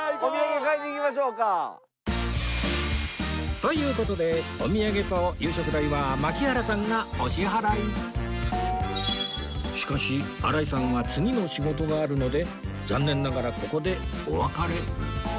という事でしかし新井さんは次の仕事があるので残念ながらここでお別れ